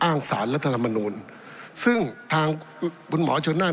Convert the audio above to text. อ้างศาสตร์รัฐรรมนูนซึ่งทางคุณหมอเชิญอ้าน